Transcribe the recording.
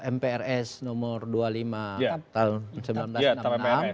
mprs nomor dua puluh lima tahun seribu sembilan ratus enam puluh enam